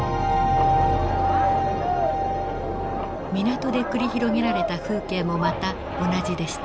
港で繰り広げられた風景もまた同じでした。